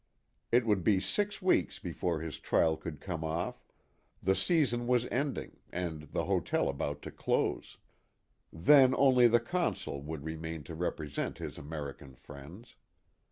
It would be six weeks before his trial could come off, the season was ending, and the hotel about to close ; then only the Consul would re main to represent his American friends.